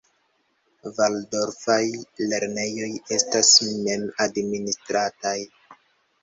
Valdorfaj lernejoj estas mem-administrataj.